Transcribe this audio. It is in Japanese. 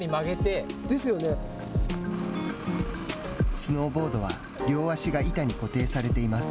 スノーボードは両足が板に固定されています。